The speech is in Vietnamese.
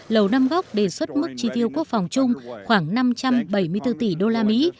lầu năm góc đề xuất mức chi tiêu quốc phòng chung khoảng năm trăm bảy mươi bốn tỷ usd